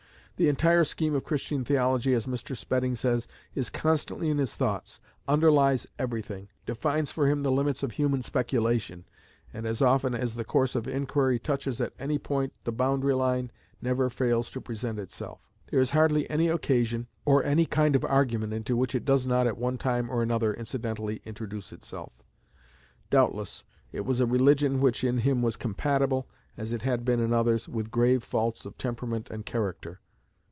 "The entire scheme of Christian theology," as Mr. Spedding says, "is constantly in his thoughts; underlies everything; defines for him the limits of human speculation; and, as often as the course of inquiry touches at any point the boundary line, never fails to present itself. There is hardly any occasion or any kind of argument into which it does not at one time or another incidentally introduce itself." Doubtless it was a religion which in him was compatible, as it has been in others, with grave faults of temperament and character.